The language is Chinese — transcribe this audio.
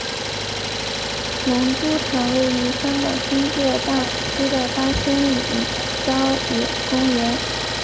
龙珠潭位于香港新界大埔区的八仙岭郊野公园。